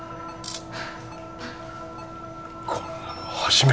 こんなの初めて見た。